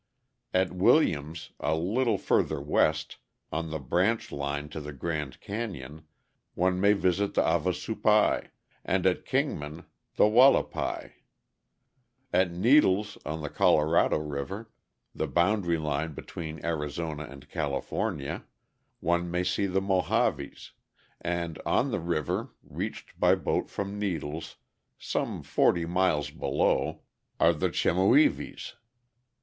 At Williams, a little further west, on the branch line to the Grand Canyon, one may visit the Havasupais, and at Kingman, the Wallapais. At Needles, on the Colorado River, the boundary line between Arizona and California, one may see the Mohaves, and on the river, reached by boat from Needles, some forty miles below, are the Chemehuevis.